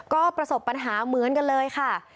ก็ประสบปัญหาเหมือนกันเลยค่ะ